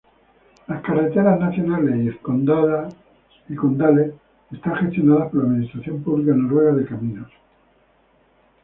Las carreteras nacionales y condales son gestionadas por la Administración Pública Noruega de Caminos.